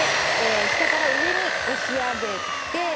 下から上に押し上げて。